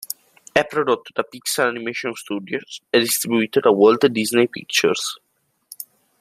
È prodotto da Pixar Animation Studios e distribuito da Walt Disney Pictures.